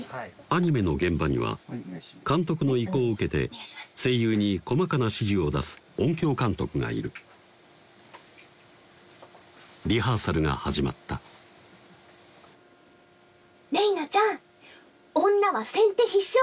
アニメの現場には監督の意向を受けて声優に細かな指示を出す音響監督がいるリハーサルが始まった「令依菜ちゃん女は先手必勝！